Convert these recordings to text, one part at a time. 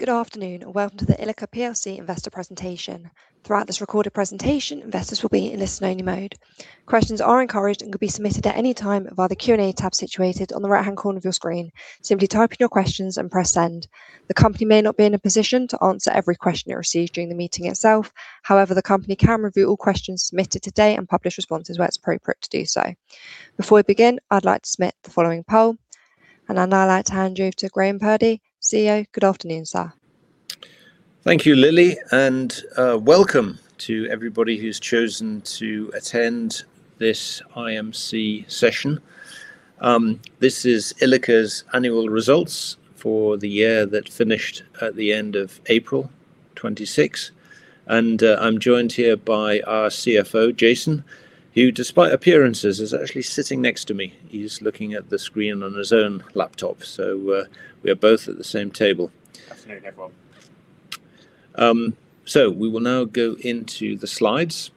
Good afternoon, and welcome to the Ilika PLC Investor Presentation. Throughout this recorded presentation, investors will be in listen-only mode. Questions are encouraged and can be submitted at any time via the Q&A tab situated on the right-hand corner of your screen. Simply type in your questions and press send. The company may not be in a position to answer every question it receives during the meeting itself. However, the company can review all questions submitted today and publish responses where it's appropriate to do so. Before we begin, I'd like to submit the following poll, and I'd now like to hand you to Graeme Purdy, CEO. Good afternoon, sir. Thank you, Lily, and welcome to everybody who's chosen to attend this IMC session. This is Ilika's annual results for the year that finished at the end of April 2026. I'm joined here by our CFO, Jason, who despite appearances, is actually sitting next to me. He's looking at the screen on his own laptop. We are both at the same table. Afternoon, everyone. We will now go into the slides,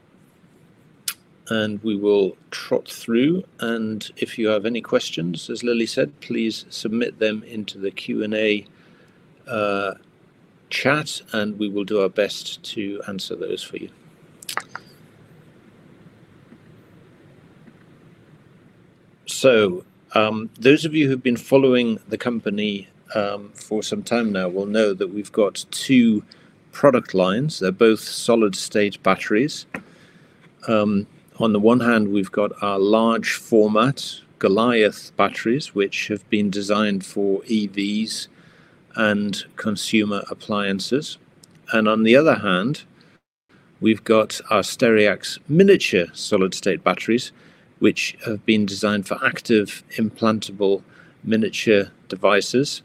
and we will trot through, and if you have any questions, as Lily said, please submit them into the Q&A chat, and we will do our best to answer those for you. Those of you who've been following the company for some time now will know that we've got two product lines. They're both solid-state batteries. On the one hand, we've got our large format Goliath batteries, which have been designed for EVs and consumer appliances. On the other hand, we've got our Stereax miniature solid-state batteries, which have been designed for active implantable miniature devices.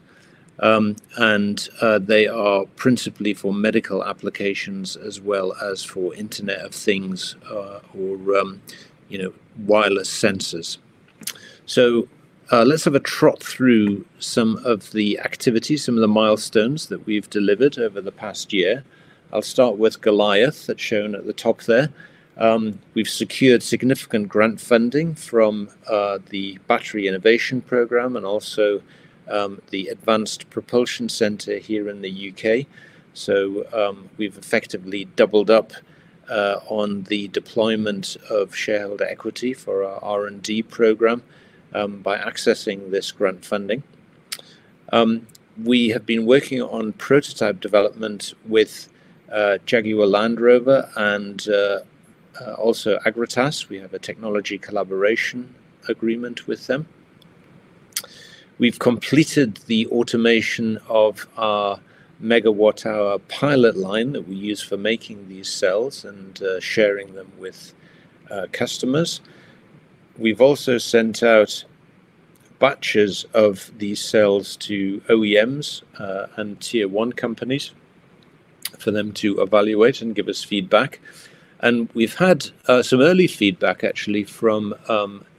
They are principally for medical applications as well as for Internet of Things, or wireless sensors. Let's have a trot through some of the activities, some of the milestones that we've delivered over the past year. I'll start with Goliath. That's shown at the top there. We've secured significant grant funding from the Battery Innovation Programme and also the Advanced Propulsion Centre here in the U.K. We've effectively doubled up on the deployment of shareholder equity for our R&D program by accessing this grant funding. We have been working on prototype development with Jaguar Land Rover and also Agratas. We have a technology collaboration agreement with them. We've completed the automation of our megawatt-hour pilot line that we use for making these cells and sharing them with customers. We've also sent out batches of these cells to OEMs, and tier-one companies for them to evaluate and give us feedback. We've had some early feedback actually from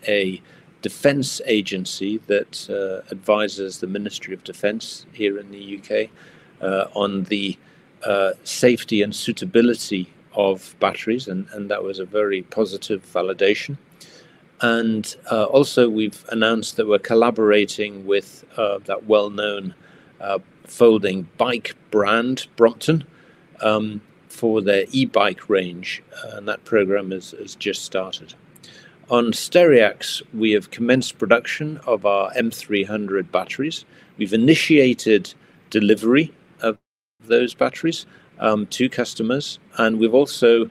a defense agency that advises the Ministry of Defence here in the U.K., on the safety and suitability of batteries, and that was a very positive validation. Also we've announced that we're collaborating with that well-known folding bike brand, Brompton, for their e-bike range, and that program has just started. On Stereax, we have commenced production of our M300 batteries. We've initiated delivery of those batteries to customers, and we've also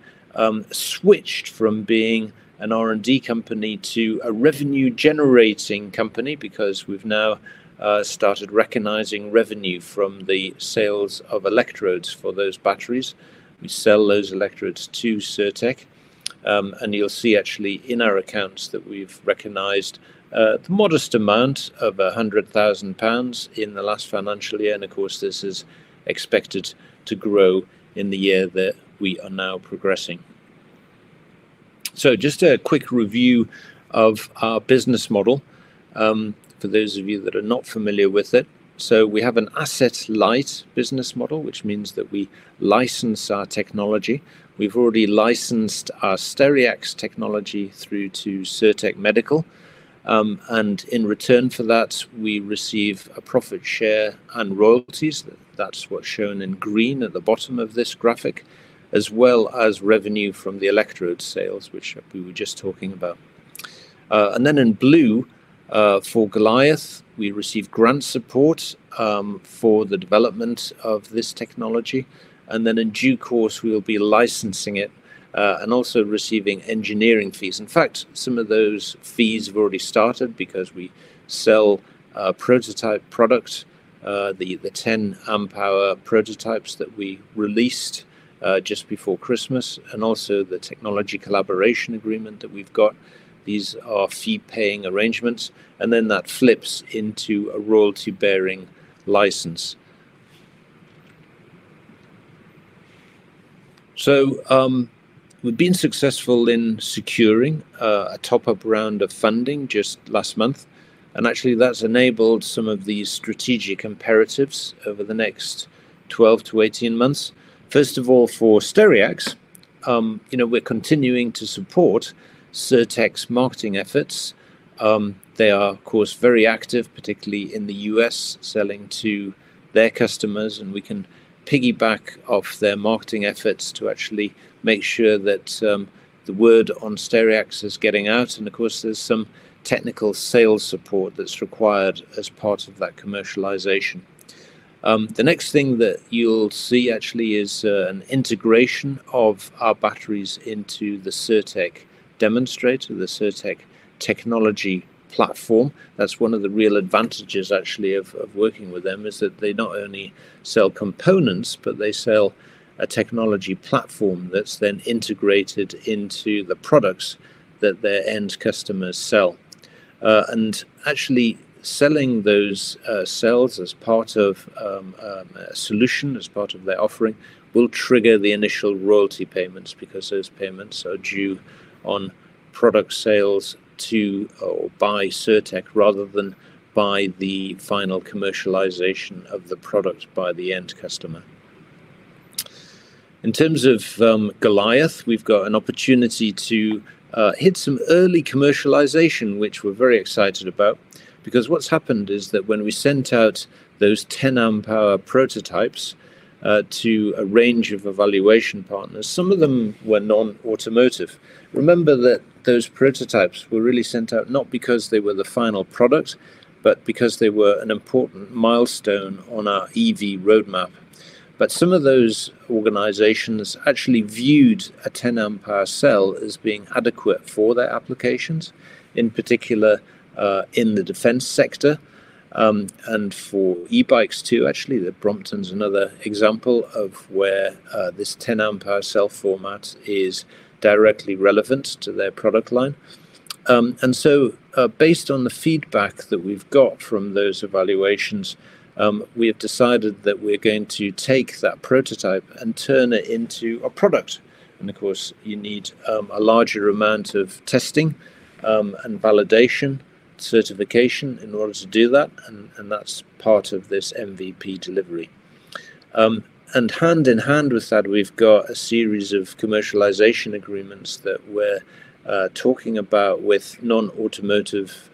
switched from being an R&D company to a revenue-generating company because we've now started recognizing revenue from the sales of electrodes for those batteries. We sell those electrodes to Cirtec. You'll see actually in our accounts that we've recognized a modest amount of 100,000 pounds in the last financial year, and of course, this is expected to grow in the year that we are now progressing. Just a quick review of our business model, for those of you that are not familiar with it. We have an asset-light business model, which means that we license our technology. We've already licensed our Stereax technology through to Cirtec Medical. In return for that, we receive a profit share and royalties. That's what's shown in green at the bottom of this graphic, as well as revenue from the electrode sales, which we were just talking about. In blue, for Goliath, we receive grant support for the development of this technology, and then in due course, we will be licensing it, and also receiving engineering fees. In fact, some of those fees have already started because we sell prototype products, the 10 Ah prototypes that we released just before Christmas, and also the technology collaboration agreement that we've got. These are fee-paying arrangements, and then that flips into a royalty-bearing license. We've been successful in securing a top-up round of funding just last month, and actually that's enabled some of these strategic imperatives over the next 12-18 months. First of all, for Stereax We're continuing to support Cirtec's marketing efforts. They are, of course, very active, particularly in the U.S., selling to their customers, and we can piggyback off their marketing efforts to actually make sure that the word on Stereax is getting out. Of course, there's some technical sales support that's required as part of that commercialization. The next thing that you'll see actually is an integration of our batteries into the Cirtec demonstrator, the Cirtec technology platform. That's one of the real advantages actually of working with them, is that they not only sell components, but they sell a technology platform that's then integrated into the products that their end customers sell. Actually selling those cells as part of a solution, as part of their offering, will trigger the initial royalty payments, because those payments are due on product sales to or by Cirtec, rather than by the final commercialization of the product by the end customer. In terms of Goliath, we've got an opportunity to hit some early commercialization, which we're very excited about, because what's happened is that when we sent out those 10 Ah prototypes to a range of evaluation partners, some of them were non-automotive. Remember that those prototypes were really sent out not because they were the final product, but because they were an important milestone on our EV roadmap. Some of those organizations actually viewed a 10 Ah cell as being adequate for their applications, in particular, in the defense sector, and for e-bikes too. Actually, the Brompton's another example of where this 10 Ah cell format is directly relevant to their product line. Based on the feedback that we've got from those evaluations, we have decided that we're going to take that prototype and turn it into a product. Of course, you need a larger amount of testing, and validation, certification in order to do that, and that's part of this MVP delivery. Hand-in-hand with that, we've got a series of commercialization agreements that we're talking about with non-automotive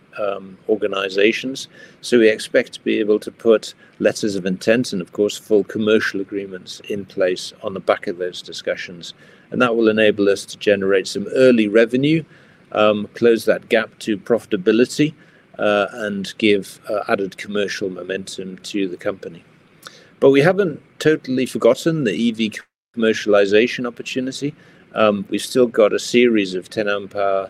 organizations. We expect to be able to put letters of intent and of course, full commercial agreements in place on the back of those discussions. That will enable us to generate some early revenue, close that gap to profitability, and give added commercial momentum to the company. We haven't totally forgotten the EV commercialization opportunity. We've still got a series of 10 Ah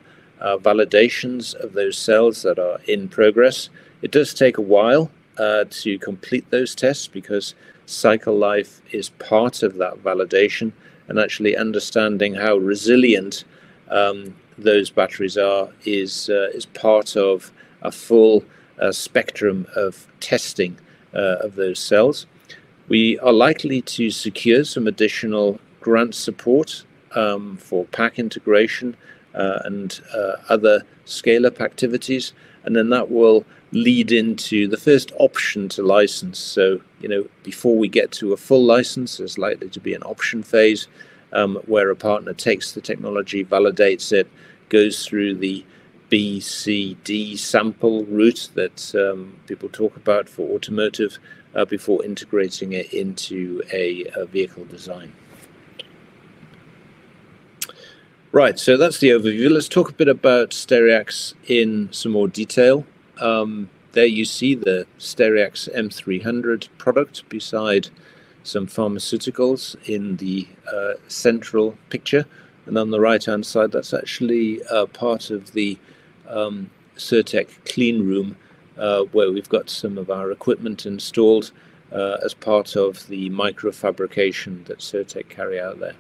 validations of those cells that are in progress. It does take a while to complete those tests because cycle life is part of that validation, and actually understanding how resilient those batteries are is part of a full spectrum of testing of those cells. We are likely to secure some additional grant support for pack integration, and other scale-up activities, then that will lead into the first option to license. Before we get to a full license, there's likely to be an option phase, where a partner takes the technology, validates it, goes through the B-C-D sample route that people talk about for automotive, before integrating it into a vehicle design. Right. That's the overview. Let's talk a bit about Stereax in some more detail. There you see the Stereax M300 product beside some pharmaceuticals in the central picture. On the right-hand side, that's actually a part of the Cirtec clean room, where we've got some of our equipment installed as part of the microfabrication that Cirtec carry out there.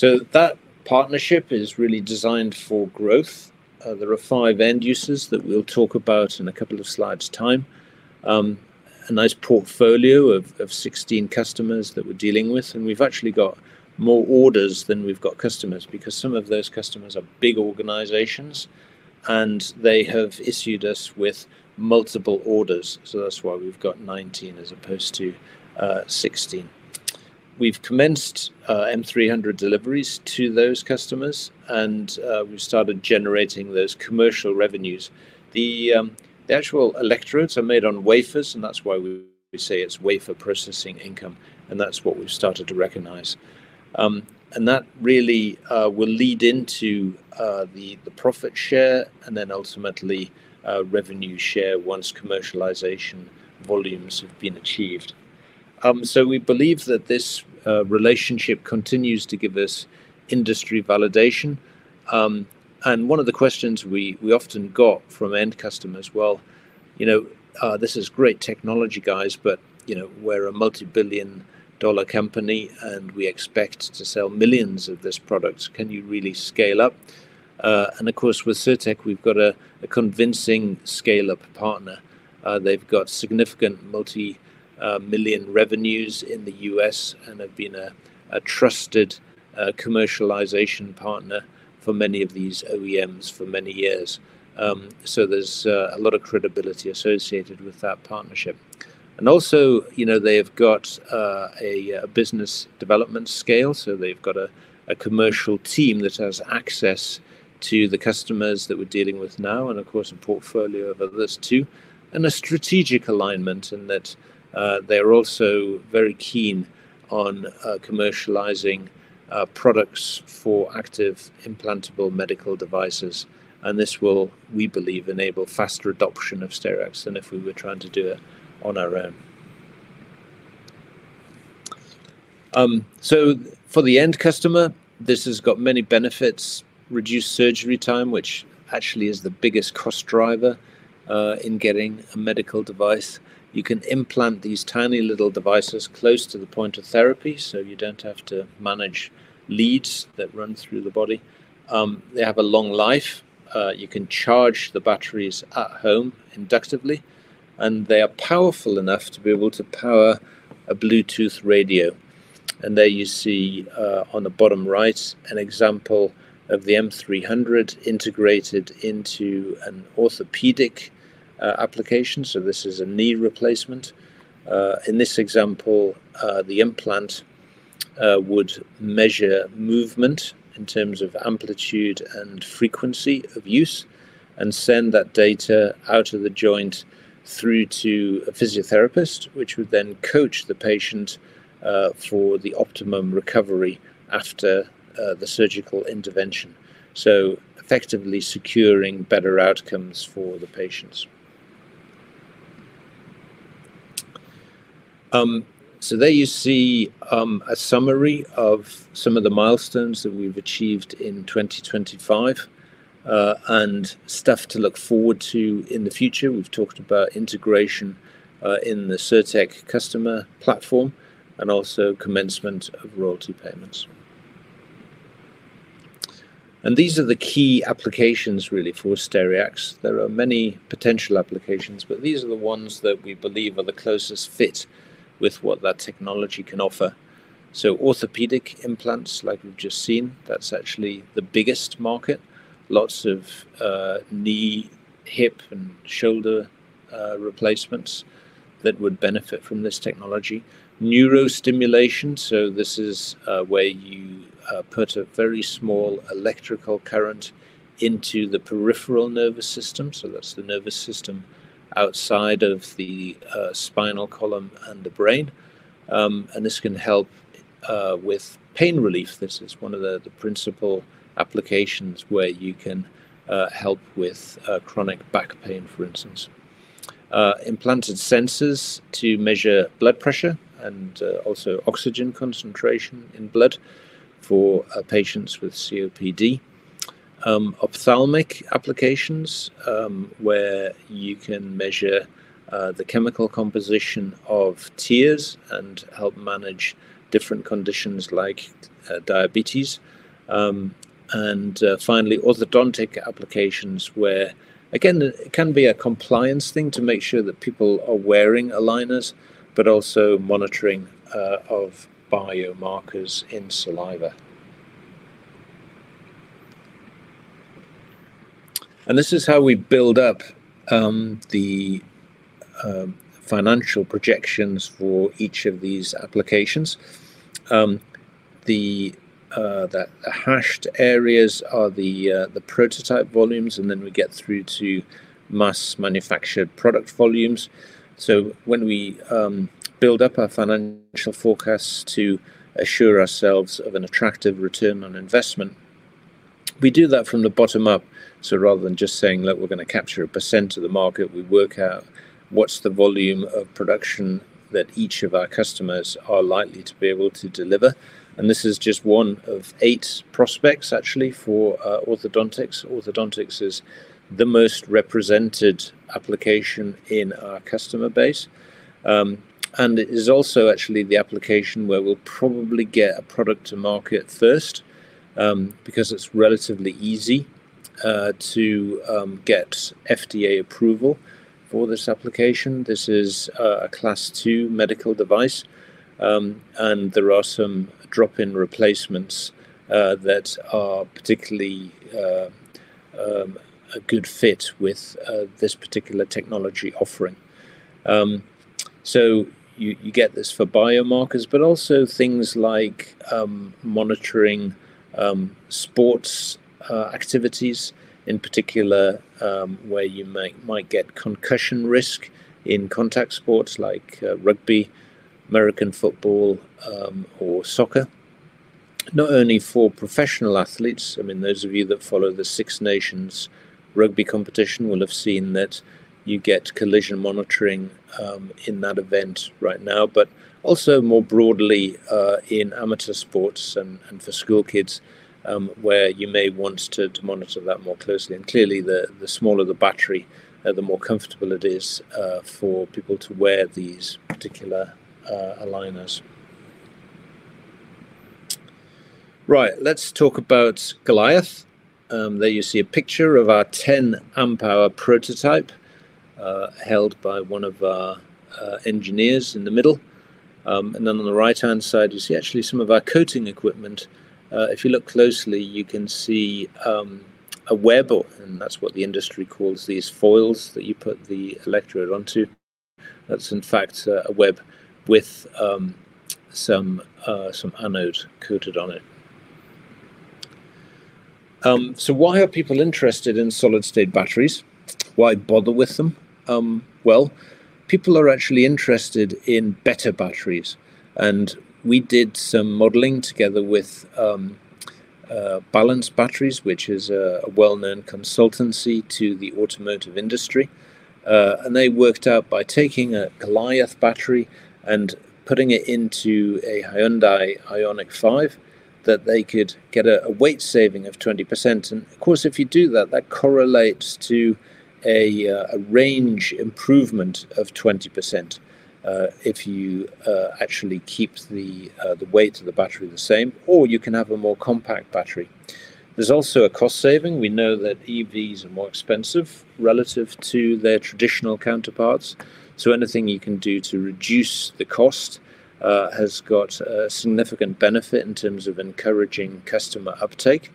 That partnership is really designed for growth. There are five end users that we'll talk about in a couple of slides' time. A nice portfolio of 16 customers that we're dealing with, We've actually got more orders than we've got customers, because some of those customers are big organizations and they have issued us with multiple orders. That's why we've got 19 as opposed to 16. We've commenced M300 deliveries to those customers, We've started generating those commercial revenues. The actual electrodes are made on wafers. That's why we say it's wafer processing income. That's what we've started to recognize. That really will lead into the profit share and then ultimately revenue share once commercialization volumes have been achieved. We believe that this relationship continues to give us industry validation. One of the questions we often got from end customers, "Well, this is great technology, guys, but we're a multi-billion dollar company, and we expect to sell millions of this product. Can you really scale up?" Of course, with Cirtec, we've got a convincing scale-up partner. They've got significant multi-million revenues in the U.S. and have been a trusted commercialization partner for many of these OEMs for many years. There's a lot of credibility associated with that partnership. Also, they have got a business development scale. They've got a commercial team that has access to the customers that we're dealing with now, and of course, a portfolio of others too, and a strategic alignment in that they're also very keen on commercializing products for active implantable medical devices. This will, we believe, enable faster adoption of Stereax than if we were trying to do it on our own. For the end customer, this has got many benefits, reduced surgery time, which actually is the biggest cost driver in getting a medical device. You can implant these tiny little devices close to the point of therapy, so you don't have to manage leads that run through the body. They have a long life. You can charge the batteries at home inductively, and they are powerful enough to be able to power a Bluetooth radio. There you see, on the bottom right, an example of the M300 integrated into an orthopedic application. This is a knee replacement. In this example, the implant would measure movement in terms of amplitude and frequency of use and send that data out of the joint through to a physiotherapist, which would then coach the patient for the optimum recovery after the surgical intervention. Effectively securing better outcomes for the patients. There you see a summary of some of the milestones that we've achieved in 2025, and stuff to look forward to in the future. We've talked about integration in the Cirtec customer platform, and also commencement of royalty payments. These are the key applications really for Stereax. There are many potential applications, but these are the ones that we believe are the closest fit with what that technology can offer. Orthopedic implants, like we've just seen, that's actually the biggest market. Lots of knee, hip, and shoulder replacements that would benefit from this technology. Neurostimulation. This is where you put a very small electrical current into the peripheral nervous system. That's the nervous system outside of the spinal column and the brain. This can help with pain relief. This is one of the principal applications where you can help with chronic back pain, for instance. Implanted sensors to measure blood pressure and also oxygen concentration in blood for patients with COPD. Ophthalmic applications, where you can measure the chemical composition of tears and help manage different conditions like diabetes. Finally, orthodontic applications, where again, it can be a compliance thing to make sure that people are wearing aligners, but also monitoring of biomarkers in saliva. This is how we build up the financial projections for each of these applications. The hashed areas are the prototype volumes. Then we get through to mass manufactured product volumes. When we build up our financial forecast to assure ourselves of an attractive return on investment, we do that from the bottom-up. Rather than just saying, "Look, we're going to capture a percent of the market," we work out what's the volume of production that each of our customers are likely to be able to deliver. This is just one of eight prospects actually for orthodontics. Orthodontics is the most represented application in our customer base. It is also actually the application where we'll probably get a product to market first, because it's relatively easy to get FDA approval for this application. This is a Class II medical device, and there are some drop-in replacements that are particularly a good fit with this particular technology offering. You get this for biomarkers, but also things like monitoring sports activities in particular, where you might get concussion risk in contact sports like rugby, American football, or soccer. Not only for professional athletes, those of you that follow the Six Nations rugby competition will have seen that you get collision monitoring in that event right now, but also more broadly, in amateur sports and for school kids, where you may want to monitor that more closely. Clearly, the smaller the battery, the more comfortable it is for people to wear these particular aligners. Let's talk about Goliath. There you see a picture of our 10 Ah prototype, held by one of our engineers in the middle. Then on the right-hand side, you see actually some of our coating equipment. If you look closely, you can see a web, and that's what the industry calls these foils that you put the electrode onto. That's in fact a web with some anode coated on it. Why are people interested in solid-state batteries? Why bother with them? People are actually interested in better batteries. We did some modeling together with Balance Batteries, which is a well-known consultancy to the automotive industry. They worked out by taking a Goliath battery and putting it into a Hyundai IONIQ 5, that they could get a weight saving of 20%. Of course, if you do that correlates to a range improvement of 20%, if you actually keep the weight of the battery the same, or you can have a more compact battery. There's also a cost saving. We know that EVs are more expensive relative to their traditional counterparts. Anything you can do to reduce the cost has got a significant benefit in terms of encouraging customer uptake.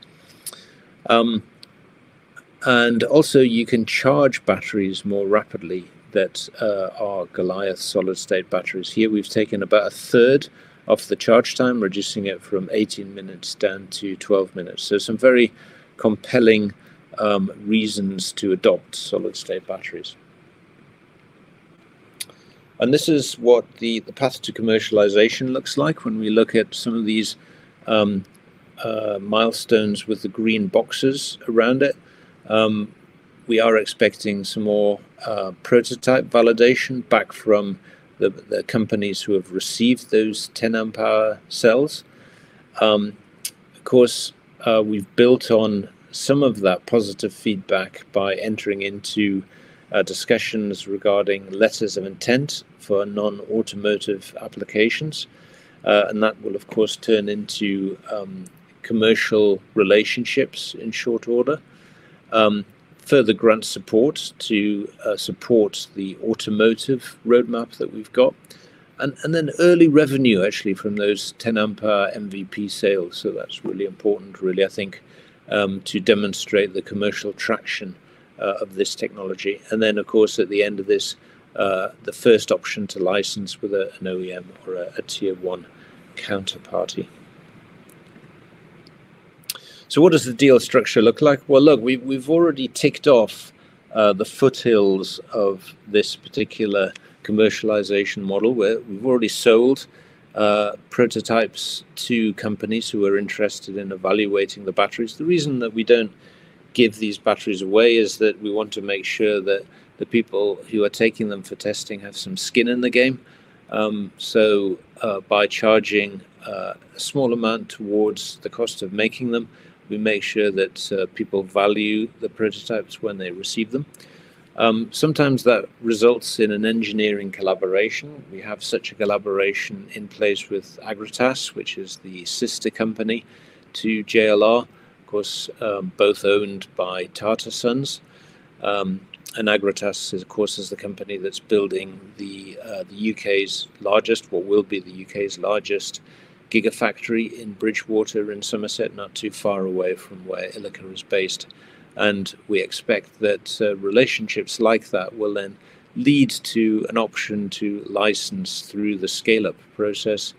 Also you can charge batteries more rapidly that are Goliath solid-state batteries. Here we've taken about a third of the charge time, reducing it from 18 minutes down to 12 minutes. Some very compelling reasons to adopt solid-state batteries. This is what the path to commercialization looks like when we look at some of these milestones with the green boxes around it. We are expecting some more prototype validation back from the companies who have received those 10 Ah cells. We've built on some of that positive feedback by entering into discussions regarding letters of intent for non-automotive applications. That will of course turn into commercial relationships in short order. Further grant support to support the automotive roadmap that we've got. Early revenue actually from those 10 Ah MVP sales, that's really important, really, I think, to demonstrate the commercial traction of this technology. Then, of course, at the end of this, the first option to license with an OEM or a tier one counterparty. What does the deal structure look like? Look, we've already ticked off the foothills of this particular commercialization model, where we've already sold prototypes to companies who are interested in evaluating the batteries. The reason that we don't give these batteries away is that we want to make sure that the people who are taking them for testing have some skin in the game. By charging a small amount towards the cost of making them, we make sure that people value the prototypes when they receive them. Sometimes that results in an engineering collaboration. We have such a collaboration in place with Agratas, which is the sister company to JLR. Both owned by Tata Sons. Agratas, of course, is the company that's building the U.K.'s largest, what will be the U.K.'s largest gigafactory in Bridgwater, in Somerset, not too far away from where Ilika is based. We expect that relationships like that will then lead to an option to license through the scale-up process.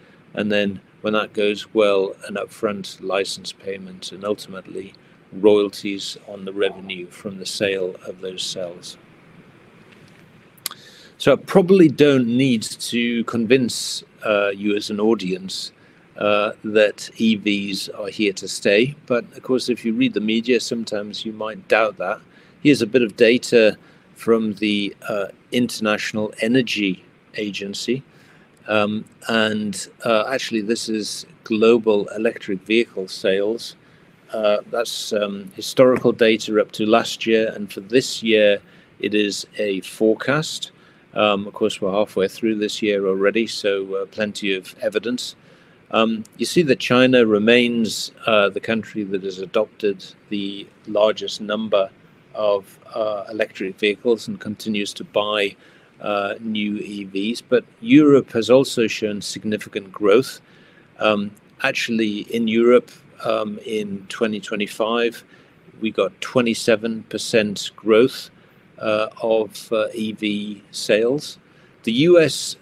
When that goes well, an upfront license payment and ultimately royalties on the revenue from the sale of those cells. I probably don't need to convince you as an audience that EVs are here to stay. If you read the media, sometimes you might doubt that. Here's a bit of data from the International Energy Agency. Actually, this is global electric vehicle sales. That's historical data up to last year. For this year, it is a forecast. We're halfway through this year already, plenty of evidence. You see that China remains the country that has adopted the largest number of electric vehicles and continues to buy new EVs. Europe has also shown significant growth. Actually, in Europe, in 2025, we got 27% growth of EV sales. The U.S.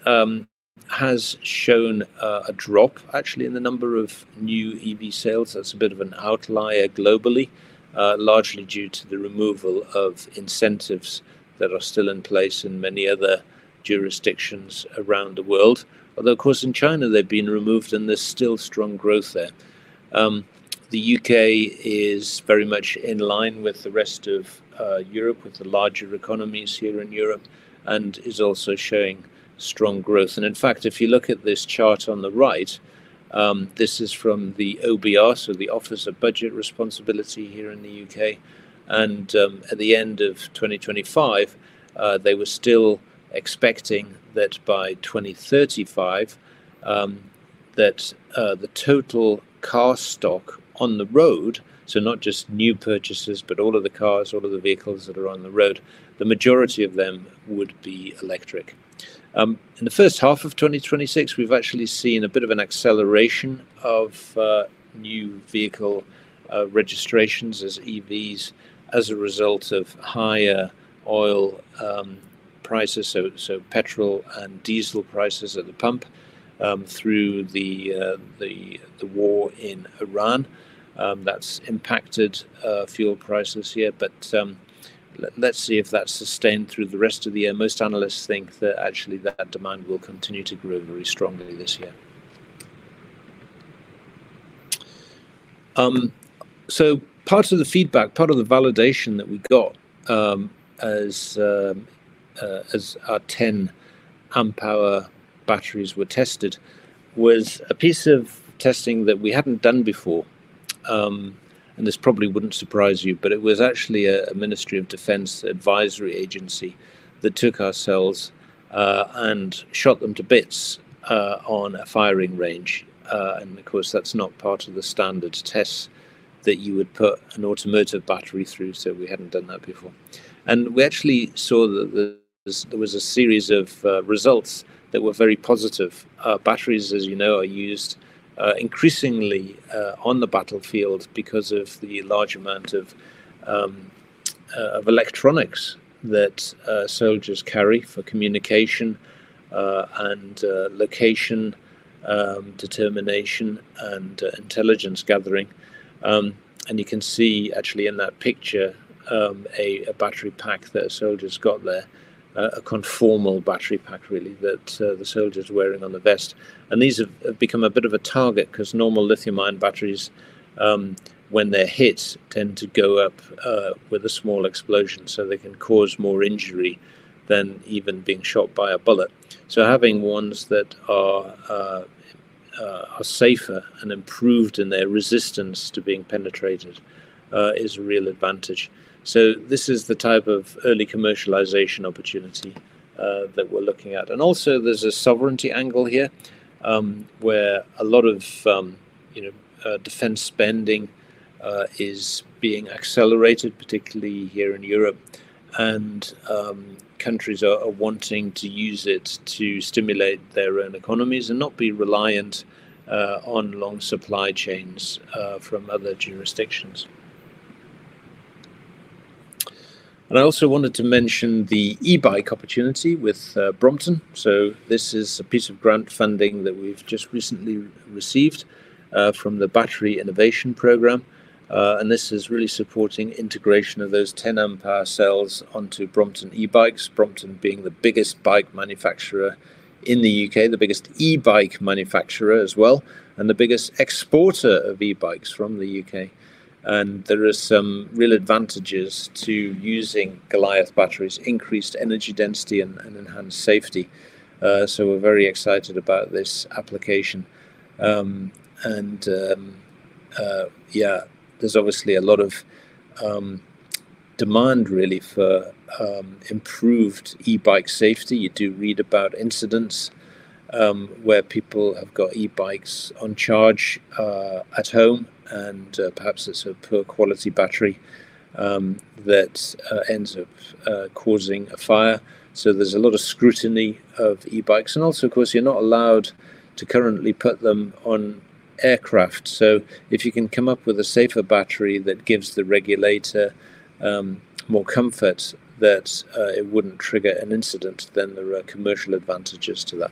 has shown a drop actually in the number of new EV sales. That's a bit of an outlier globally, largely due to the removal of incentives that are still in place in many other jurisdictions around the world. In China, they've been removed, and there's still strong growth there. The U.K. is very much in line with the rest of Europe, with the larger economies here in Europe, and is also showing strong growth. In fact, if you look at this chart on the right, this is from the OBR, the Office for Budget Responsibility here in the U.K. At the end of 2025, they were still expecting that by 2035 that the total car stock on the road, so not just new purchases, but all of the cars, all of the vehicles that are on the road, the majority of them would be electric. In the first half of 2026, we've actually seen a bit of an acceleration of new vehicle registrations as EVs as a result of higher oil prices, so petrol and diesel prices at the pump, through the war in Iran. That's impacted fuel prices here, but let's see if that's sustained through the rest of the year. Most analysts think that actually that demand will continue to grow very strongly this year. Part of the feedback, part of the validation that we got as our 10 Ah batteries were tested, was a piece of testing that we hadn't done before, and this probably wouldn't surprise you, but it was actually a Ministry of Defense advisory agency that took our cells and shot them to bits on a firing range. Of course, that's not part of the standard test that you would put an automotive battery through, so we hadn't done that before. We actually saw that there was a series of results that were very positive. Batteries, as you know, are used increasingly on the battlefield because of the large amount of electronics that soldiers carry for communication and location determination and intelligence gathering. You can see actually in that picture, a battery pack that a soldier's got there, a conformal battery pack really, that the soldier's wearing on the vest. These have become a bit of a target because normal lithium-ion batteries, when they're hit, tend to go up with a small explosion, so they can cause more injury than even being shot by a bullet. Having ones that are safer and improved in their resistance to being penetrated is a real advantage. This is the type of early commercialization opportunity that we're looking at. Also there's a sovereignty angle here, where a lot of defense spending is being accelerated, particularly here in Europe, and countries are wanting to use it to stimulate their own economies and not be reliant on long supply chains from other jurisdictions. I also wanted to mention the e-bike opportunity with Brompton. This is a piece of grant funding that we've just recently received from the Battery Innovation Programme. This is really supporting integration of those 10 Ah cells onto Brompton e-bikes, Brompton being the biggest bike manufacturer in the U.K., the biggest e-bike manufacturer as well, and the biggest exporter of e-bikes from the U.K. There are some real advantages to using Goliath batteries, increased energy density and enhanced safety. We're very excited about this application. There's obviously a lot of demand really for improved e-bike safety. You do read about incidents where people have got e-bikes on charge at home, and perhaps it's a poor quality battery that ends up causing a fire. There's a lot of scrutiny of e-bikes. Also, of course, you're not allowed to currently put them on aircraft. If you can come up with a safer battery that gives the regulator more comfort that it wouldn't trigger an incident, there are commercial advantages to that.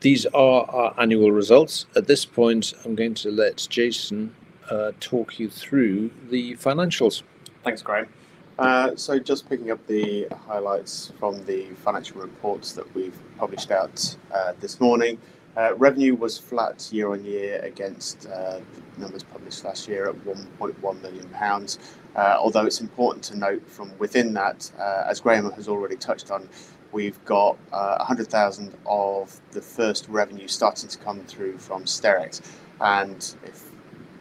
These are our annual results. At this point, I'm going to let Jason talk you through the financials. Thanks, Graeme. Just picking up the highlights from the financial reports that we've published out this morning. Revenue was flat year-on-year against the numbers published last year at 1.1 million pounds. Although it's important to note from within that, as Graeme has already touched on, we've got 100,000 of the first revenue starting to come through from Stereax. If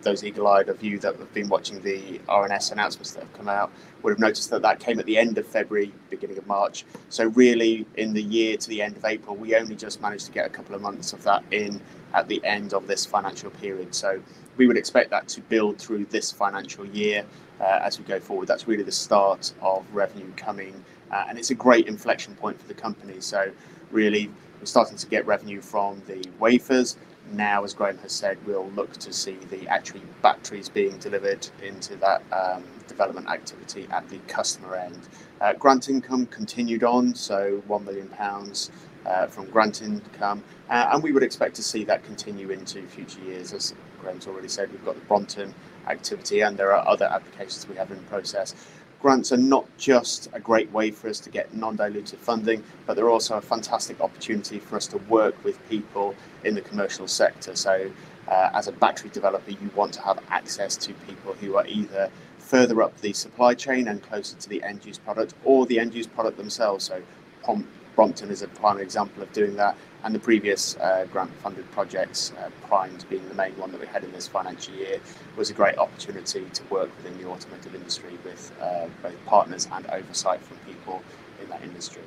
those eagle-eyed of you that have been watching the RNS announcements that have come out would've noticed that that came at the end of February, beginning of March. Really in the year to the end of April, we only just managed to get a couple of months of that in at the end of this financial period. We would expect that to build through this financial year as we go forward. That's really the start of revenue coming. It's a great inflection point for the company. Really we're starting to get revenue from the wafers now, as Graeme has said, we'll look to see the actual batteries being delivered into that development activity at the customer end. Grant income continued on, 1 million pounds from grant income. We would expect to see that continue into future years. As Graeme's already said, we've got the Brompton activity, and there are other applications we have in process. Grants are not just a great way for us to get non-dilutive funding, but they're also a fantastic opportunity for us to work with people in the commercial sector. As a battery developer, you want to have access to people who are either further up the supply chain and closer to the end-use product or the end-use product themselves. Brompton is a prime example of doing that. The previous grant-funded projects, PRIMED being the main one that we had in this financial year, was a great opportunity to work within the automotive industry with both partners and oversight from people in that industry.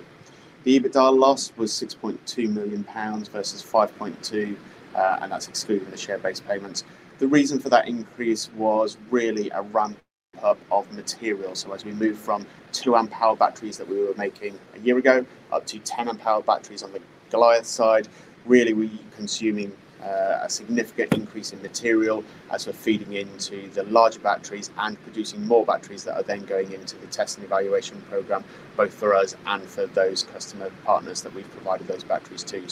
The EBITDA loss was 6.2 million pounds versus 5.2 million, that's excluding the share-based payments. The reason for that increase was really a ramp-up of material. As we move from 2 Ah batteries that we were making a year ago up to 10 Ah batteries on the Goliath side, really we're consuming a significant increase in material as we're feeding into the larger batteries and producing more batteries that are then going into the test and evaluation program, both for us and for those customer partners that we've provided those batteries to.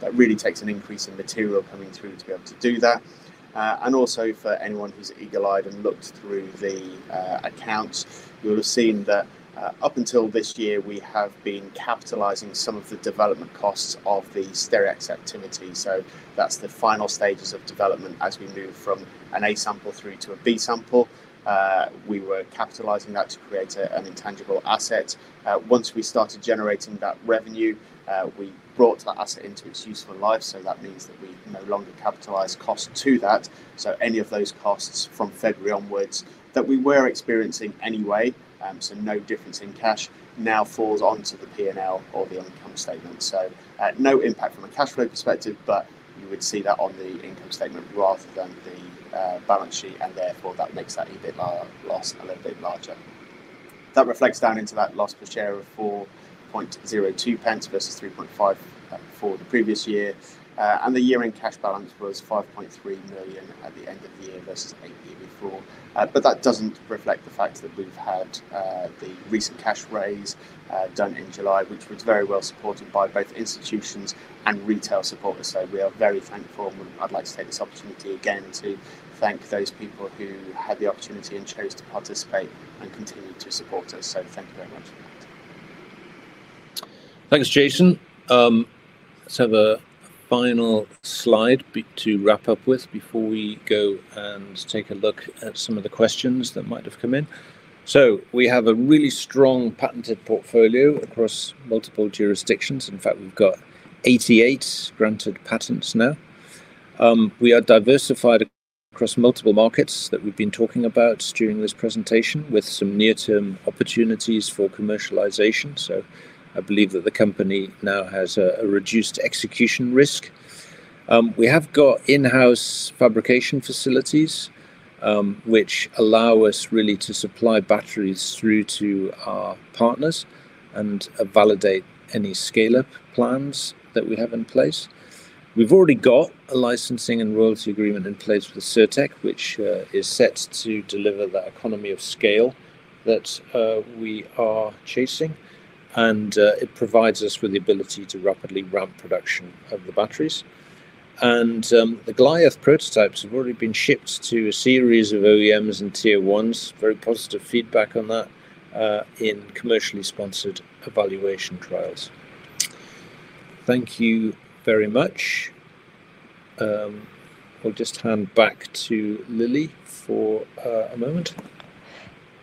That really takes an increase in material coming through to be able to do that. For anyone who's eagle-eyed and looked through the accounts, you'll have seen that up until this year, we have been capitalizing some of the development costs of the Stereax activity. That's the final stages of development as we move from an A sample through to a B sample. We were capitalizing that to create an intangible asset. Once we started generating that revenue, we brought that asset into its useful life, that means that we no longer capitalize cost to that, any of those costs from February onwards that we were experiencing anyway, no difference in cash, now falls onto the P&L or the income statement. No impact from a cash flow perspective, but you would see that on the income statement rather than the balance sheet, and therefore that makes that EBITDA loss a little bit larger. That reflects down into that loss per share of 0.0402 versus 0.035 for the previous year. The year-end cash balance was 5.3 million at the end of the year versus 8 million the year before. That doesn't reflect the fact that we've had the recent cash raise done in July, which was very well-supported by both institutions and retail supporters. We are very thankful, and I'd like to take this opportunity again to thank those people who had the opportunity and chose to participate and continue to support us. Thank you very much for that. Thanks, Jason. Let's have a final slide to wrap up with before we go and take a look at some of the questions that might have come in. We have a really strong patented portfolio across multiple jurisdictions. In fact, we've got 88 granted patents now. We are diversified across multiple markets that we've been talking about during this presentation, with some near-term opportunities for commercialization. I believe that the company now has a reduced execution risk. We have got in-house fabrication facilities, which allow us really to supply batteries through to our partners and validate any scale-up plans that we have in place. We've already got a licensing and royalty agreement in place with Cirtec, which is set to deliver that economy of scale that we are chasing, and it provides us with the ability to rapidly ramp production of the batteries. The Goliath prototypes have already been shipped to a series of OEMs and Tier 1s, very positive feedback on that, in commercially sponsored evaluation trials. Thank you very much. I'll just hand back to Lily for a moment.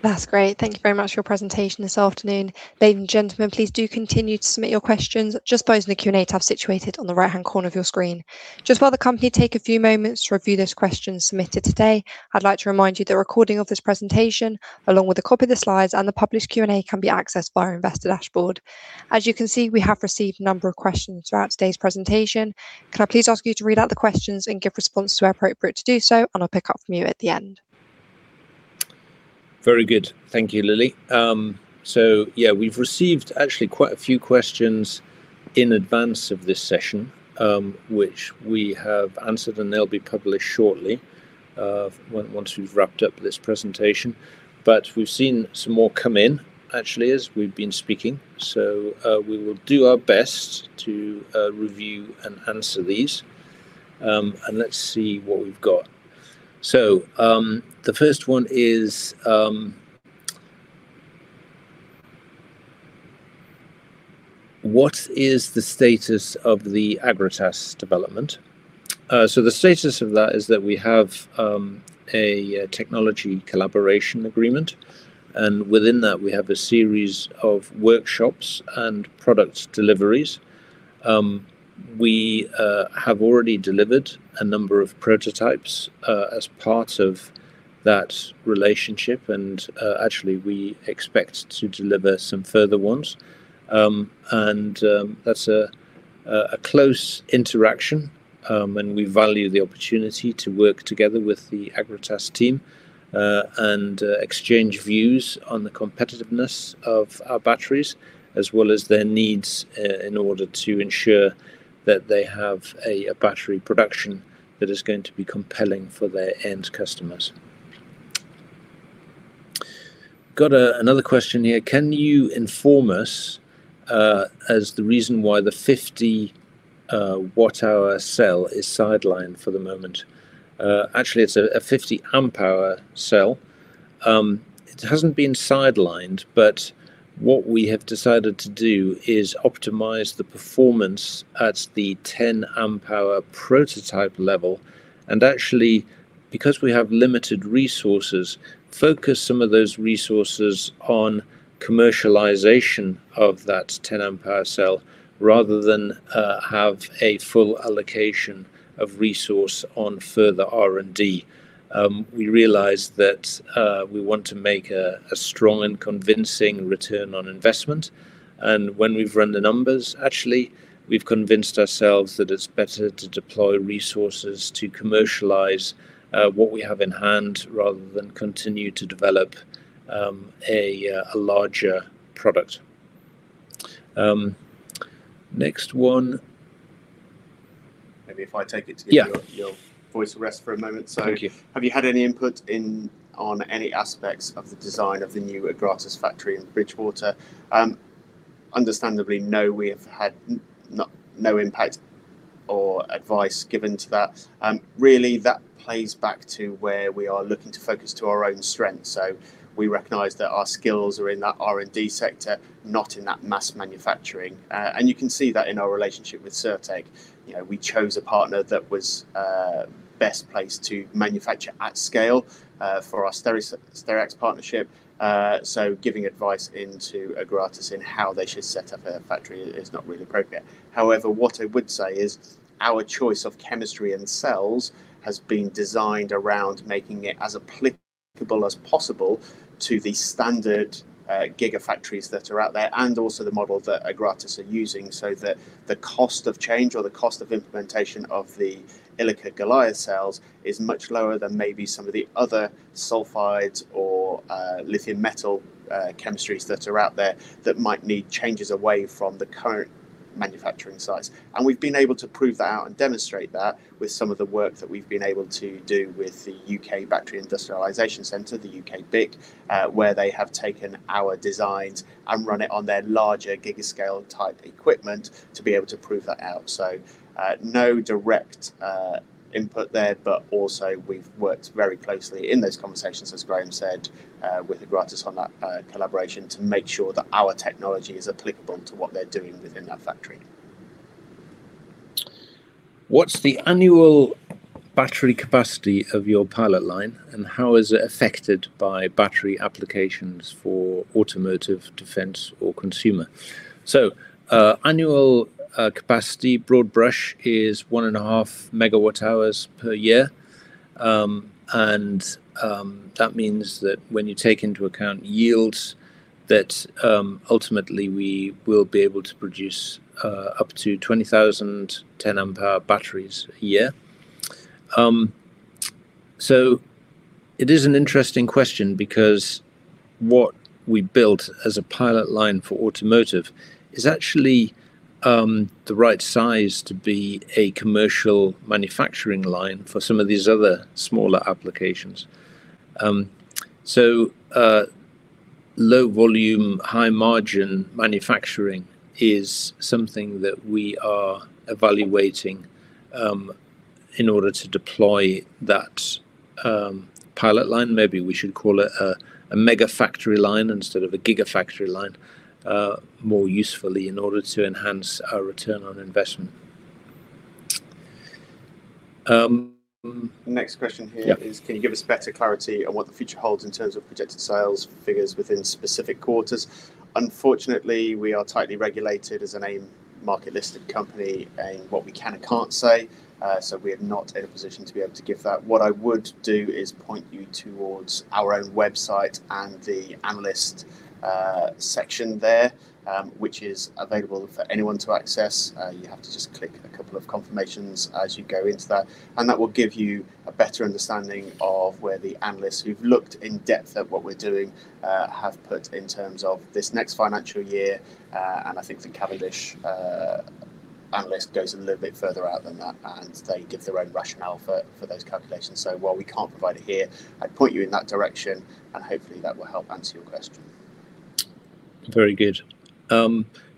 That's great. Thank you very much for your presentation this afternoon. Ladies and gentlemen, please do continue to submit your questions. Just those in the Q&A tab situated on the right-hand corner of your screen. Just while the company take a few moments to review those questions submitted today, I'd like to remind you the recording of this presentation, along with a copy of the slides and the published Q&A, can be accessed via our investor dashboard. As you can see, we have received a number of questions throughout today's presentation. Can I please ask you to read out the questions and give response where appropriate to do so, and I'll pick up from you at the end. Very good. Thank you, Lily. Yeah, we've received actually quite a few questions in advance of this session, which we have answered, and they'll be published shortly once we've wrapped up this presentation. We've seen some more come in actually as we've been speaking, so we will do our best to review and answer these. Let's see what we've got. The first one is, what is the status of the Agratas development? The status of that is that we have a technology collaboration agreement, and within that, we have a series of workshops and product deliveries. We have already delivered a number of prototypes as part of that relationship, and actually we expect to deliver some further ones. That's a close interaction, and we value the opportunity to work together with the Agratas team, and exchange views on the competitiveness of our batteries, as well as their needs in order to ensure that they have a battery production that is going to be compelling for their end customers. Got another question here: Can you inform us as the reason why the 50 Wh cell is sidelined for the moment? Actually, it's a 50 Ah cell. It hasn't been sidelined, but what we have decided to do is optimize the performance at the 10 Ah prototype level and actually, because we have limited resources, focus some of those resources on commercialization of that 10 Ah cell. Rather than have a full allocation of resource on further R&D, we realized that we want to make a strong and convincing return on investment, and when we've run the numbers, actually, we've convinced ourselves that it's better to deploy resources to commercialize what we have in hand, rather than continue to develop a larger product. Next one. Maybe if I take it. Yeah. To give your voice a rest for a moment. Thank you. Have you had any input on any aspects of the design of the new Agratas factory in Bridgwater? Understandably, no, we have had no impact or advice given to that. Really that plays back to where we are looking to focus to our own strengths. We recognize that our skills are in that R&D sector, not in that mass manufacturing. You can see that in our relationship with Cirtec. We chose a partner that was best placed to manufacture at scale, for our Stereax partnership. Giving advice into Agratas in how they should set up a factory is not really appropriate. What I would say is our choice of chemistry and cells has been designed around making it as applicable as possible to the standard gigafactories that are out there, also the model that Agratas are using, so that the cost of change or the cost of implementation of the Ilika Goliath cells is much lower than maybe some of the other sulfides or lithium metal chemistries that are out there that might need changes away from the current manufacturing sites. We've been able to prove that out and demonstrate that with some of the work that we've been able to do with the UK Battery Industrialisation Centre, the UKBIC, where they have taken our designs and run it on their larger gigascale-type equipment to be able to prove that out. No direct input there, but also we've worked very closely in those conversations, as Graeme said, with Agratas on that collaboration to make sure that our technology is applicable to what they're doing within that factory. What's the annual battery capacity of your pilot line, and how is it affected by battery applications for automotive defense or consumer? Annual capacity broad brush is 1.5 MWh per year. That means that when you take into account yields, that ultimately we will be able to produce up to 20,000 10 Ah batteries a year. It is an interesting question because what we built as a pilot line for automotive is actually the right size to be a commercial manufacturing line for some of these other smaller applications. Low volume, high margin manufacturing is something that we are evaluating in order to deploy that pilot line, maybe we should call it a mega factory line instead of a gigafactory line, more usefully in order to enhance our return on investment. Next question here is, can you give us better clarity on what the future holds in terms of projected sales figures within specific quarters? Unfortunately, we are tightly regulated as an AIM market-listed company in what we can and can't say, so we are not in a position to be able to give that. What I would do is point you towards our own website and the analyst section there, which is available for anyone to access. You have to just click a couple of confirmations as you go into that, and that will give you a better understanding of where the analysts who've looked in depth at what we're doing have put in terms of this next financial year, and I think the Cavendish analyst goes a little bit further out than that, and they give their own rationale for those calculations. While we can't provide it here, I'd point you in that direction and hopefully that will help answer your question. Very good.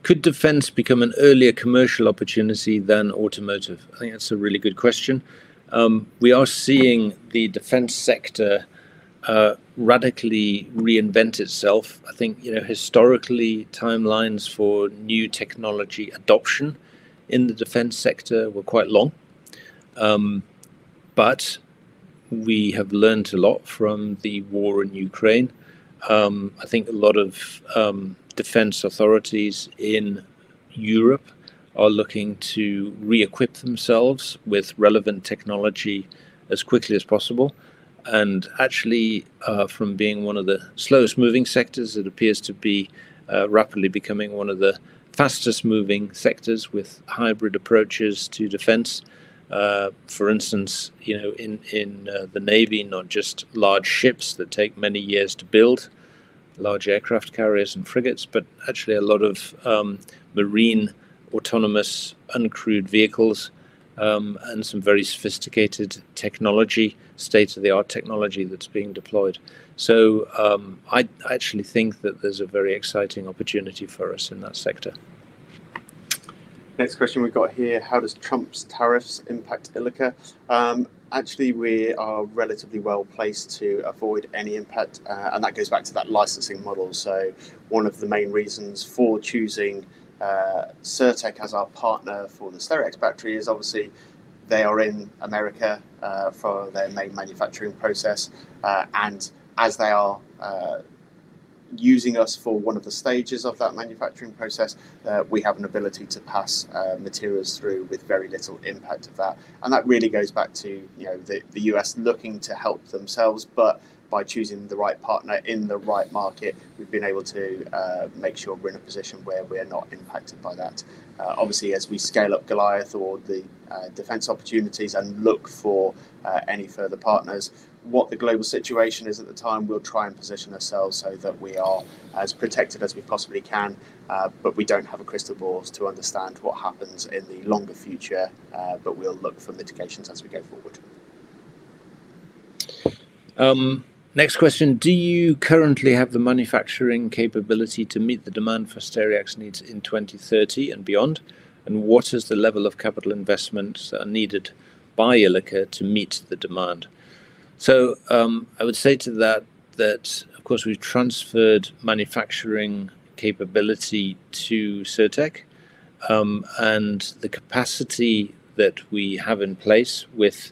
Could defense become an earlier commercial opportunity than automotive? I think that's a really good question. We are seeing the defense sector radically reinvent itself. I think historically, timelines for new technology adoption in the defense sector were quite long. We have learned a lot from the war in Ukraine. I think a lot of defense authorities in Europe are looking to reequip themselves with relevant technology as quickly as possible, and actually, from being one of the slowest moving sectors, it appears to be rapidly becoming one of the fastest moving sectors with hybrid approaches to defense. For instance, in the Navy, not just large ships that take many years to build, large aircraft carriers and frigates, but actually a lot of marine autonomous uncrewed vehicles, and some very sophisticated technology, state-of-the-art technology that's being deployed. I actually think that there's a very exciting opportunity for us in that sector. Next question we've got here, how does Trump's tariffs impact Ilika? Actually, we are relatively well-placed to avoid any impact, and that goes back to that licensing model. One of the main reasons for choosing Cirtec as our partner for the Stereax factory is obviously they are in America, for their main manufacturing process. As they are using us for one of the stages of that manufacturing process, we have an ability to pass materials through with very little impact of that. That really goes back to the U.S. looking to help themselves, but by choosing the right partner in the right market, we've been able to make sure we're in a position where we're not impacted by that. Obviously, as we scale up Goliath or the defense opportunities and look for any further partners, what the global situation is at the time, we'll try and position ourselves so that we are as protected as we possibly can. We don't have a crystal ball to understand what happens in the longer future. We'll look for mitigations as we go forward. Next question: do you currently have the manufacturing capability to meet the demand for Stereax needs in 2030 and beyond? What is the level of capital investments that are needed by Ilika to meet the demand? I would say to that of course, we've transferred manufacturing capability to Cirtec, and the capacity that we have in place with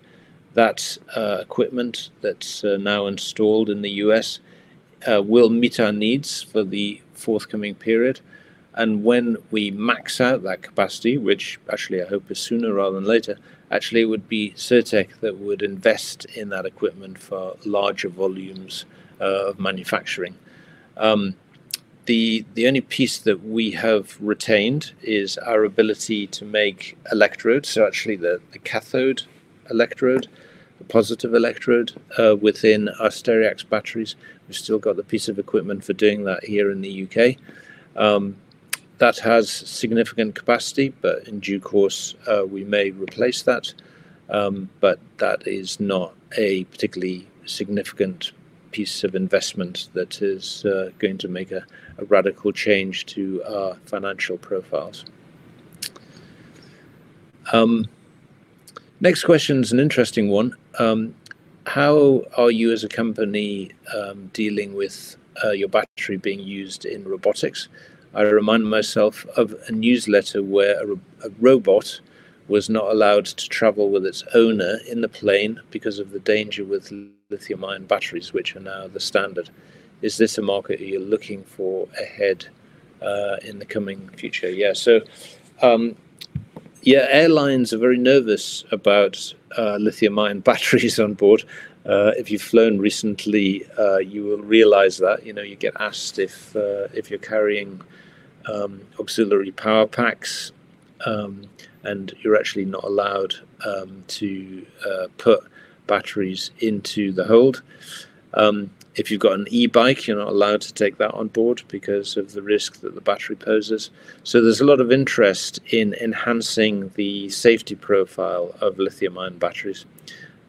that equipment that's now installed in the U.S. will meet our needs for the forthcoming period. When we max out that capacity, which actually I hope is sooner rather than later, actually it would be Cirtec that would invest in that equipment for larger volumes of manufacturing. The only piece that we have retained is our ability to make electrodes, so actually the cathode electrode, the positive electrode within our Stereax batteries. We've still got the piece of equipment for doing that here in the U.K. That has significant capacity, but in due course we may replace that. That is not a particularly significant piece of investment that is going to make a radical change to our financial profiles. Next question is an interesting one. How are you as a company dealing with your battery being used in robotics? I remind myself of a newsletter where a robot was not allowed to travel with its owner in the plane because of the danger with lithium-ion batteries, which are now the standard. Is this a market you're looking for ahead in the coming future? Yeah, airlines are very nervous about lithium-ion batteries on board. If you've flown recently, you will realize that. You get asked if you're carrying auxiliary power packs, and you're actually not allowed to put batteries into the hold. If you've got an e-bike, you're not allowed to take that on board because of the risk that the battery poses. There's a lot of interest in enhancing the safety profile of lithium-ion batteries.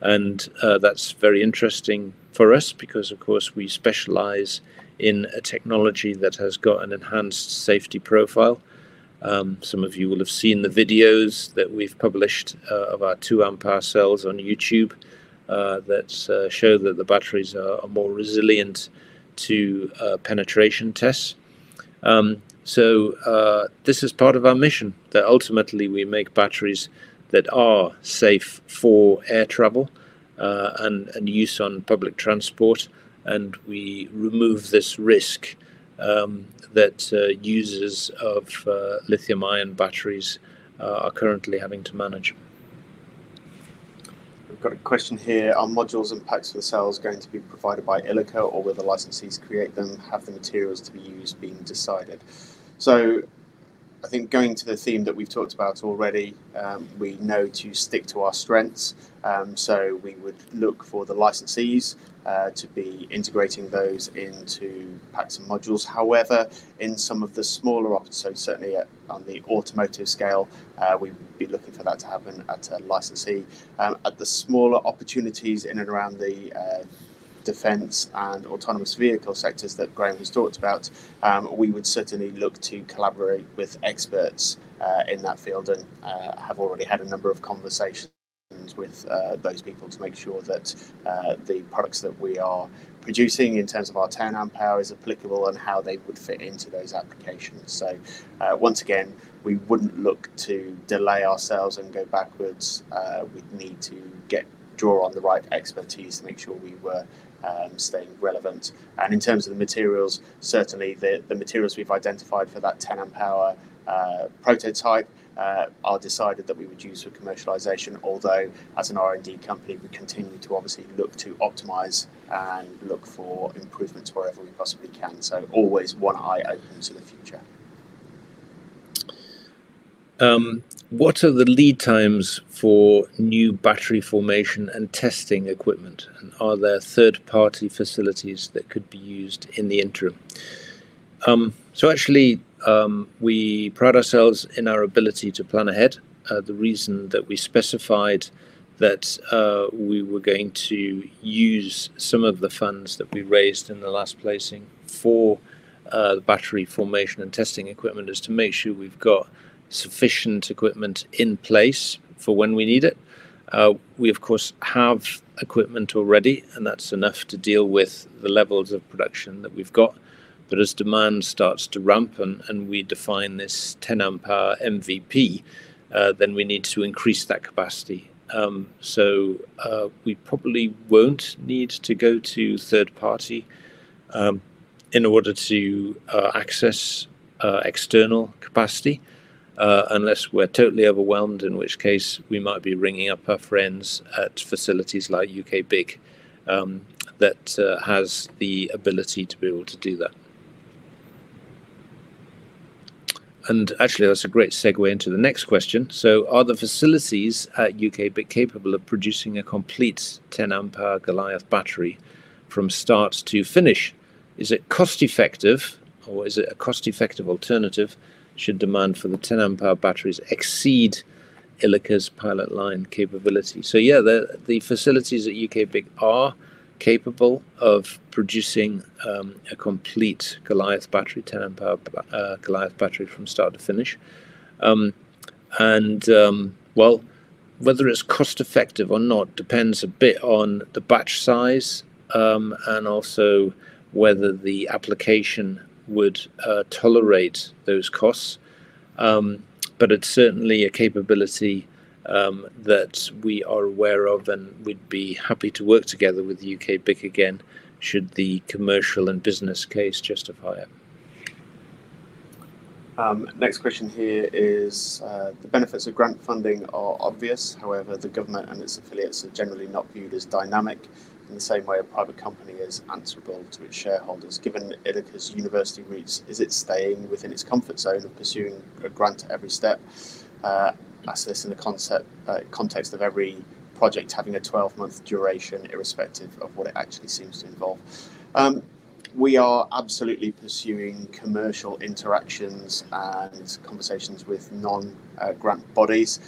That's very interesting for us because, of course, we specialize in a technology that has got an enhanced safety profile. Some of you will have seen the videos that we've published of our 2 Ah cells on YouTube that show that the batteries are more resilient to penetration tests. This is part of our mission, that ultimately we make batteries that are safe for air travel, and use on public transport, and we remove this risk that users of lithium-ion batteries are currently having to manage. We've got a question here. Are modules and packs for the cells going to be provided by Ilika or will the licensees create them? Have the materials to be used been decided? I think going to the theme that we've talked about already, we know to stick to our strengths. We would look for the licensees to be integrating those into packs and modules. However, in some of the smaller ops, certainly on the automotive scale, we would be looking for that to happen at a licensee. At the smaller opportunities in and around the defense and autonomous vehicle sectors that Graeme has talked about, we would certainly look to collaborate with experts in that field and have already had a number of conversations with those people to make sure that the products that we are producing in terms of our 10 Ah is applicable and how they would fit into those applications. Once again, we wouldn't look to delay ourselves and go backwards. We'd need to draw on the right expertise to make sure we were staying relevant. In terms of the materials, certainly the materials we've identified for that 10 Ah prototype are decided that we would use for commercialization, although as an R&D company, we continue to obviously look to optimize and look for improvements wherever we possibly can. Always one eye open to the future. What are the lead times for new battery formation and testing equipment, and are there third-party facilities that could be used in the interim? Actually, we pride ourselves in our ability to plan ahead. The reason that we specified that we were going to use some of the funds that we raised in the last placing for the battery formation and testing equipment is to make sure we've got sufficient equipment in place for when we need it. We of course have equipment already, and that's enough to deal with the levels of production that we've got. As demand starts to ramp and we define this 10 Ah MVP, we need to increase that capacity. We probably won't need to go to third party. In order to access external capacity unless we're totally overwhelmed, in which case we might be ringing up our friends at facilities like UKBIC that has the ability to be able to do that. Actually, that's a great segue into the next question. Are the facilities at UKBIC capable of producing a complete 10 Ah Goliath battery from start to finish? Is it cost-effective, or is it a cost-effective alternative should demand for the 10 Ah batteries exceed Ilika's pilot line capability? Yeah, the facilities at UKBIC are capable of producing a complete 10 Ah Goliath battery from start to finish. Well, whether it's cost-effective or not depends a bit on the batch size, and also whether the application would tolerate those costs. It's certainly a capability that we are aware of and we'd be happy to work together with UKBIC again, should the commercial and business case justify it. Next question here is, "The benefits of grant funding are obvious. However, the government and its affiliates are generally not viewed as dynamic in the same way a private company is answerable to its shareholders. Given Ilika's university roots, is it staying within its comfort zone of pursuing a grant at every step? I say this in the context of every project having a 12-month duration, irrespective of what it actually seems to involve." We are absolutely pursuing commercial interactions and conversations with non-grant bodies.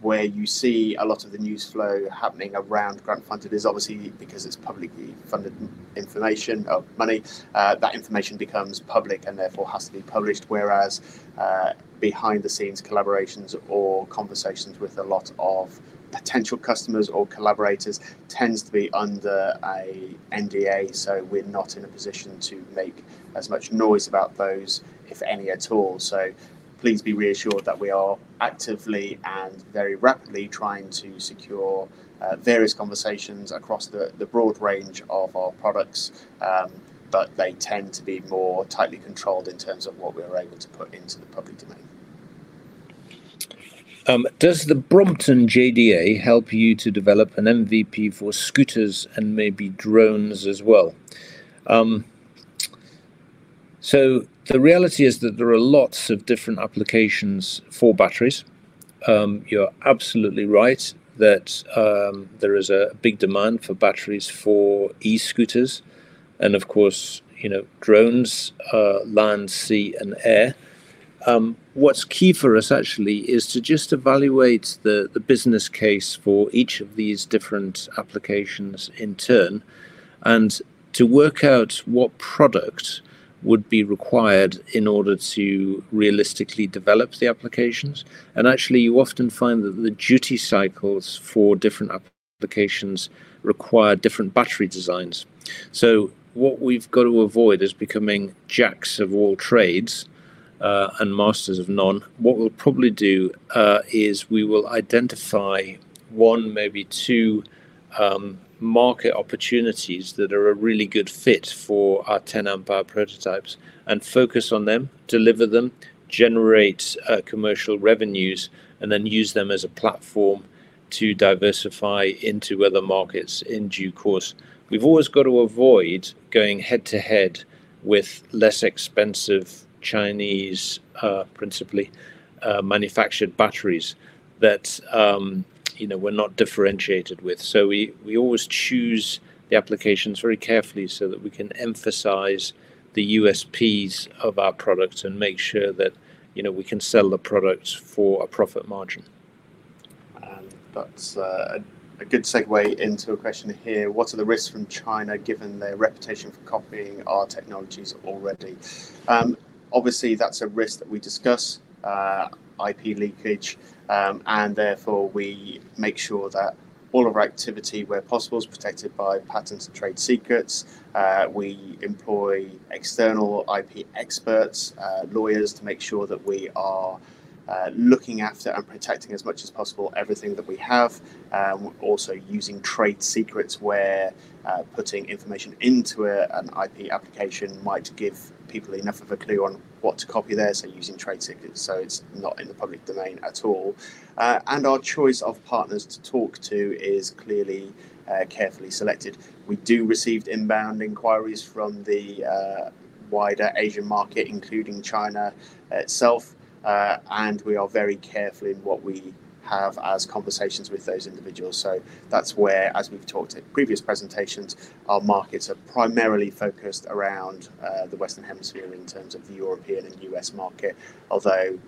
Where you see a lot of the news flow happening around grant funding is obviously because it's publicly funded information of money, that information becomes public and therefore has to be published, whereas behind-the-scenes collaborations or conversations with a lot of potential customers or collaborators tends to be under a NDA. We're not in a position to make as much noise about those, if any at all. Please be reassured that we are actively and very rapidly trying to secure various conversations across the broad range of our products, but they tend to be more tightly controlled in terms of what we are able to put into the public domain. Does the Brompton JDA help you to develop an MVP for scooters and maybe drones as well? The reality is that there are lots of different applications for batteries. You're absolutely right that there is a big demand for batteries for e-scooters and, of course, drones, land, sea, and air. What's key for us actually is to just evaluate the business case for each of these different applications in turn, and to work out what product would be required in order to realistically develop the applications. Actually, you often find that the duty cycles for different applications require different battery designs. What we've got to avoid is becoming jacks of all trades, and masters of none. What we'll probably do, is we will identify one, maybe two, market opportunities that are a really good fit for our 10 Ah prototypes and focus on them, deliver them, generate commercial revenues, and then use them as a platform to diversify into other markets in due course. We've always got to avoid going head to head with less expensive Chinese, principally, manufactured batteries that we're not differentiated with. We always choose the applications very carefully so that we can emphasize the USPs of our product and make sure that we can sell the product for a profit margin. That's a good segue into a question here, "What are the risks from China given their reputation for copying our technologies already?" Obviously, that's a risk that we discuss, IP leakage, and therefore we make sure that all of our activity, where possible, is protected by patents and trade secrets. We employ external IP experts, lawyers, to make sure that we are looking after and protecting as much as possible everything that we have. We're also using trade secrets where putting information into an IP application might give people enough of a clue on what to copy there, using trade secrets so it's not in the public domain at all. Our choice of partners to talk to is clearly carefully selected. We do receive inbound inquiries from the wider Asian market, including China itself. We are very careful in what we have as conversations with those individuals. That's where, as we've talked in previous presentations, our markets are primarily focused around the Western hemisphere in terms of the European and U.S. market. Although,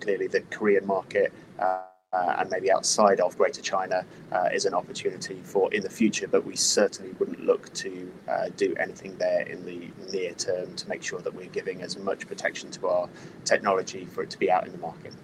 clearly the Korean market, and maybe outside of Greater China, is an opportunity for in the future. We certainly wouldn't look to do anything there in the near term to make sure that we're giving as much protection to our technology for it to be out in the market.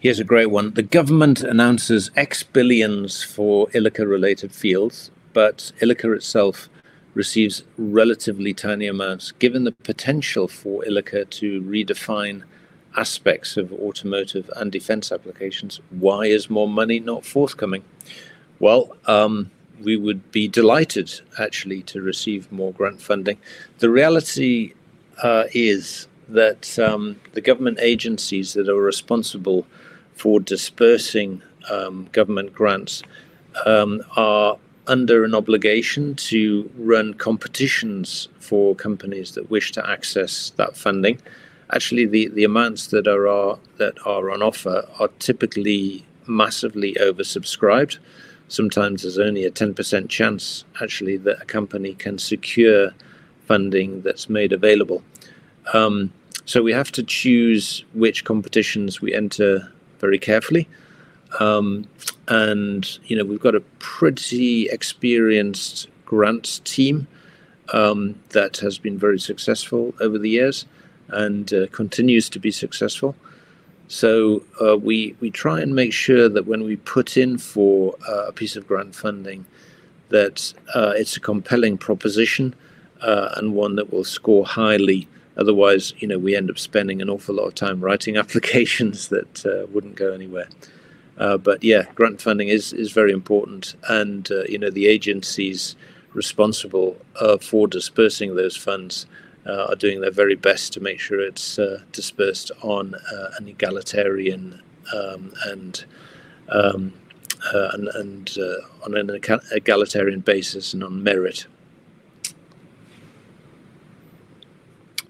Here's a great one. "The government announces X billions for Ilika-related fields, but Ilika itself receives relatively tiny amounts. Given the potential for Ilika to redefine aspects of automotive and defense applications, why is more money not forthcoming?" Well, we would be delighted actually to receive more grant funding. The reality is that the government agencies that are responsible for dispersing government grants are under an obligation to run competitions for companies that wish to access that funding. Actually, the amounts that are on offer are typically massively oversubscribed. Sometimes there's only a 10% chance, actually, that a company can secure funding that's made available. We have to choose which competitions we enter very carefully. We've got a pretty experienced grants team that has been very successful over the years and continues to be successful. We try and make sure that when we put in for a piece of grant funding, that it's a compelling proposition, and one that will score highly. Otherwise, we end up spending an awful lot of time writing applications that wouldn't go anywhere. Yeah, grant funding is very important and the agencies responsible for dispersing those funds are doing their very best to make sure it's dispersed on an egalitarian basis and on merit.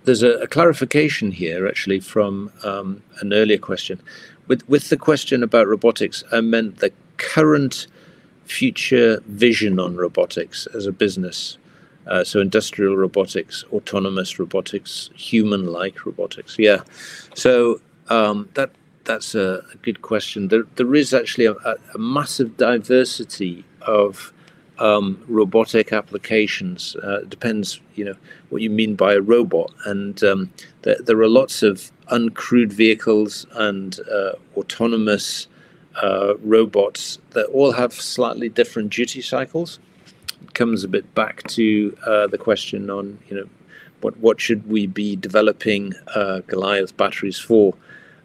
There's a clarification here, actually, from an earlier question. "With the question about robotics, I meant the current future vision on robotics as a business. Industrial robotics, autonomous robotics, human-like robotics." Yeah. That's a good question. There is actually a massive diversity of robotic applications. Depends what you mean by a robot and there are lots of uncrewed vehicles and autonomous robots that all have slightly different duty cycles. It comes a bit back to the question on what should we be developing Goliath Batteries for?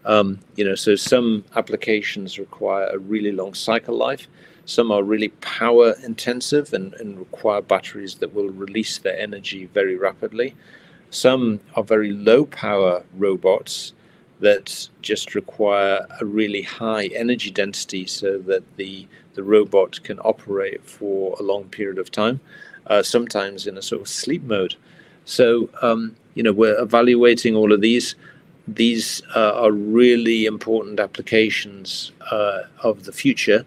Some applications require a really long cycle life. Some are really power-intensive and require batteries that will release their energy very rapidly. Some are very low-power robots that just require a really high energy density so that the robot can operate for a long period of time, sometimes in a sort of sleep mode. We're evaluating all of these. These are really important applications of the future,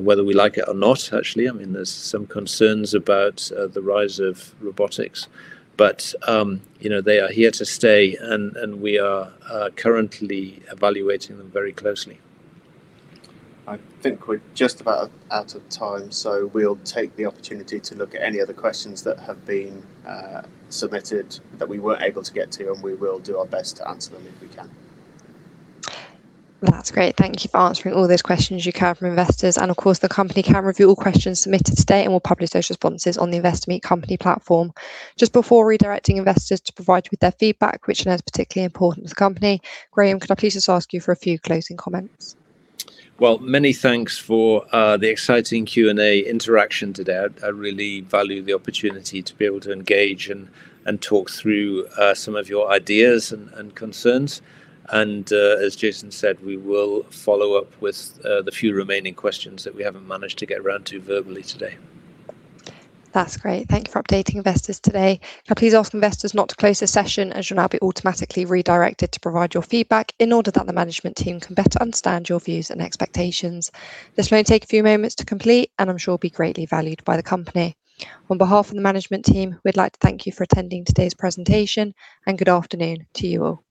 whether we like it or not, actually. There's some concerns about the rise of robotics, but they are here to stay and we are currently evaluating them very closely. I think we're just about out of time, so we'll take the opportunity to look at any other questions that have been submitted that we weren't able to get to, and we will do our best to answer them if we can. That's great. Thank you for answering all those questions you can from investors. Of course, the company can review all questions submitted today, and we'll publish those responses on the Investor Meet Company platform. Just before redirecting investors to provide with their feedback, which I know is particularly important to the company, Graeme, could I please just ask you for a few closing comments? Well, many thanks for the exciting Q&A interaction today. I really value the opportunity to be able to engage and talk through some of your ideas and concerns. As Jason said, we will follow up with the few remaining questions that we haven't managed to get around to verbally today. That's great. Thank you for updating investors today. Can I please ask investors not to close this session, as you'll now be automatically redirected to provide your feedback in order that the management team can better understand your views and expectations. This may take a few moments to complete, and I'm sure will be greatly valued by the company. On behalf of the management team, we'd like to thank you for attending today's presentation. Good afternoon to you all.